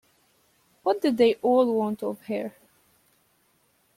What did they all want of her?